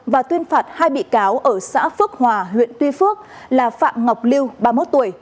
và tuyên phạt hai bị cáo ở xã phước hòa huyện tuy phước là phạm ngọc lưu ba mươi một tuổi